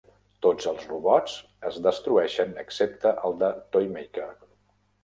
Tots els robots es destrueixen excepte el de Toymaker.